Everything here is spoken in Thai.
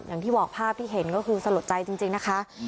อย่างที่บอกภาพที่เห็นก็คือสลดใจจริงนะคะ